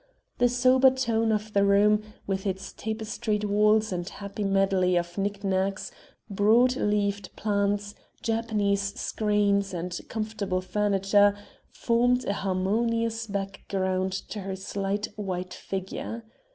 The sober tone of the room, with its tapestried walls and happy medley of knick knacks, broad leaved plants, Japanese screens, and comfortable furniture, formed a harmonious background to her slight, white figure.